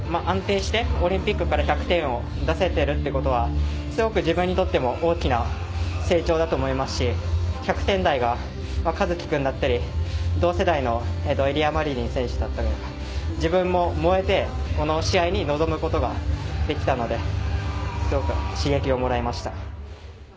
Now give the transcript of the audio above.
安定してオリンピックから１００点を出せているということはすごく自分にとっても大きな成長だと思いますし１００点台が一希君だったり同世代のイリア・マリニン選手だったり自分も燃えてこの試合に臨むことができたのですごく刺激をもらいました。